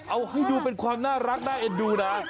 เอาให้ดูเป็นความน่ารักน่าเอ็นดูนะ